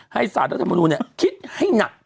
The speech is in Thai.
ให้สารรัฐมนุนคิดให้หนัก